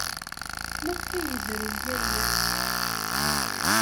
Maɣef ay izerrew yal ass?